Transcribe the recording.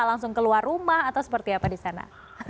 langsung keluar rumah atau seperti apa di sana